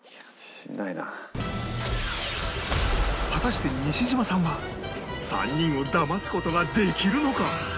果たして西島さんは３人をだます事ができるのか？